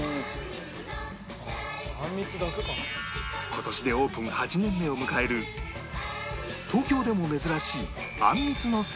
今年でオープン８年目を迎える東京でも珍しいあんみつの専門店